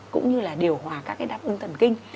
cũng như là điều hòa các cái đáp ứng thần kinh